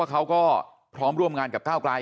เขาก็พร้อมร่วมงานกับก้าวไกล